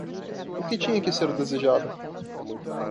O que tinha que ser desejado?